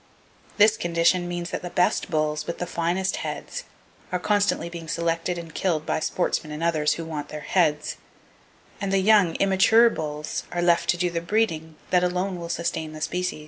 This condition means that the best bulls, with the finest heads, are constantly being selected and killed by sportsmen and others who want their heads; and the young, immature bulls are left to do the breeding that alone will sustain the species.